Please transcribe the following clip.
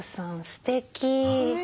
すてき。